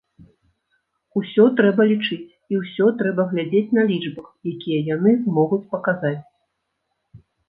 Усё трэба лічыць і ўсё трэба глядзець на лічбах, якія яны змогуць паказаць.